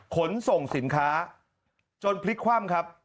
ขนส่งสินค้าจนพลิกคว่ำครับ